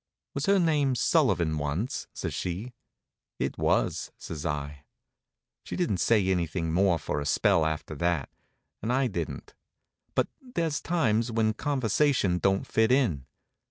"Was her name Sullivan once?" says she. "It was," says I. She didn't say anything more for a spell after that, and I didn't; but there's times when conversation don't fit in.